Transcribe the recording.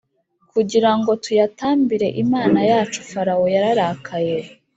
kugira ngo tuyatambire Imana yacu Farawo yararakaye